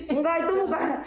enggak itu bukan